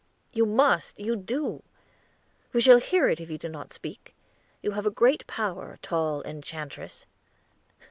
"You must, you do. We shall hear it if you do not speak. You have a great power, tall enchantress."